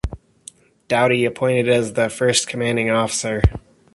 Dowdy appointed as the first Commanding Officer.